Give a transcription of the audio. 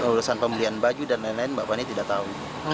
urusan pembelian baju dan lain lain mbak fani tidak tahu